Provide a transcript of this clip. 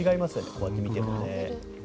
こうやって見てみると。